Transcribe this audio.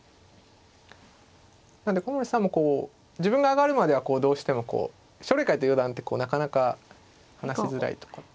なので古森さんも自分が上がるまではどうしてもこう奨励会って四段ってこうなかなか話しづらいところがあるので。